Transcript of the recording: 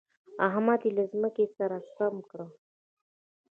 احمد يې له ځمکې سره سم کړ.